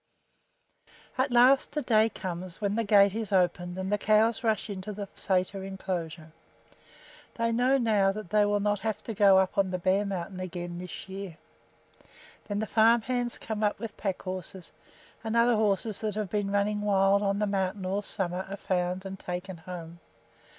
At last a day comes when the gate is opened and the cows rush into the sæter inclosure. They know now that they will not have to go up on the bare mountain again this year. Then the farm hands come up with pack horses, and other horses that have been running wild on the mountain all summer are found and taken home.